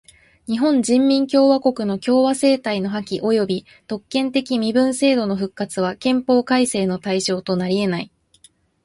日本人民共和国の共和政体の破棄および特権的身分制度の復活は憲法改正の対象となりえない。